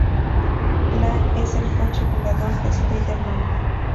La es el coche volador de Spider-Man.